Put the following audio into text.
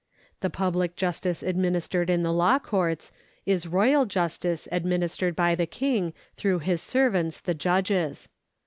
The pubHc justice administered in the law courts is royal justice administered by the King through his servants the judges.